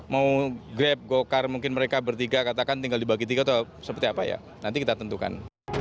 mau grab go kart mungkin mereka bertiga katakan tinggal dibagi tiga atau seperti apa ya nanti kita tentukan